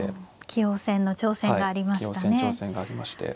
棋王戦の挑戦がありましたね。